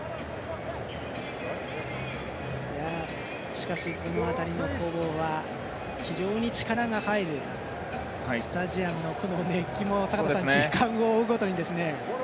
しかし、この辺りの攻防は非常に力が入るスタジアムの熱気も坂田さん、時間を追うごとに。